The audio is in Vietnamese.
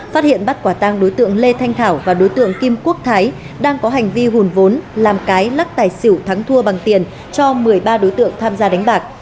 phát hiện bắt quả tang đối tượng lê thanh thảo và đối tượng kim quốc thái đang có hành vi hùn vốn làm cái lắc tài xỉu thắng thua bằng tiền cho một mươi ba đối tượng tham gia đánh bạc